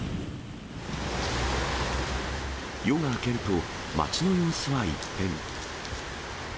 夜が明けると、街の様子は一変。